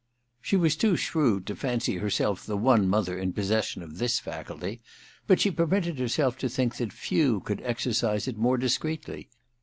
She was too shrewd to fancy herself the one mother in possession of this faculty, but she permitted herself to think that few could exercise it more discreetly.